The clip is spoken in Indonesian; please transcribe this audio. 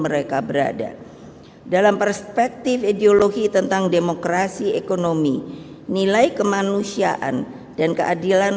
mereka berada dalam perspektif ideologi tentang demokrasi ekonomi nilai kemanusiaan dan keadilan